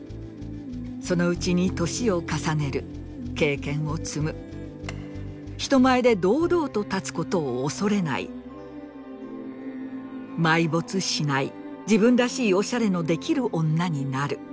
そのうちに歳を重ねる経験を積む人前で堂々と立つ事を恐れない埋没しない自分らしいオシャレのできる女になる。